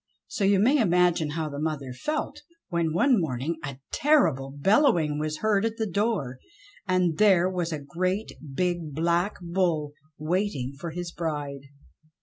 So you may imagine how the mother felt when one morning a terrible bellowing was heard at the door, and there was a great big Black Bull waiting for his bride.